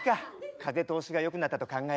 風通しがよくなったと考えれば。